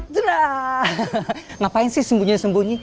udah ngapain sih sembunyi sembunyi